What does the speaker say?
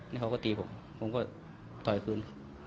นี่เขาก็ตีผมผมก็ต่อยคืน